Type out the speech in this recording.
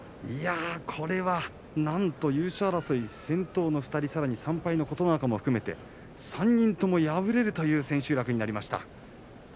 いや、これは優勝争いなんと先頭の２人、さらに３敗の琴ノ若も含めて、３人とも敗れるという千秋楽になりました。